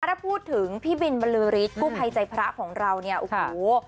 ถ้าพูดถึงพี่บินบรือฤทธิ์กู้ภัยใจพระของเราเนี่ยโอ้โห